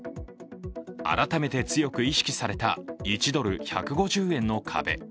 改めて強く意識された１ドル＝１５０円の壁。